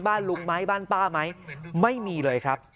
บ้านลุงไหมบ้านป้าไหมไม่มีเลยครับ